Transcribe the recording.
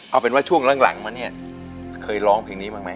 เอาเป็นว่าช่วงหลังมาเนี่ยเคยร้องเพลงนี้บ้างไหม